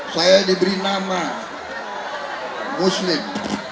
saya diberi nama muslim